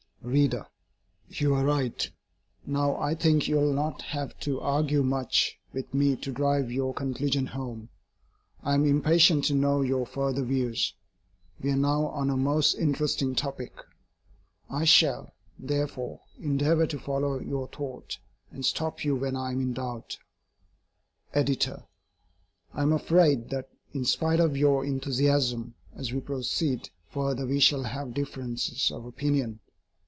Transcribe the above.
READER: You are right. Now, I think you will not have to argue much with me to drive your conclusions home. I am impatient to know your further views. We are now on a most interesting topic. I shall, therefore, endeavour to follow your thought, and stop you when I am in doubt. EDITOR: I am afraid that, in spite of your enthusiasm, as we proceed further we shall have differences of opinion.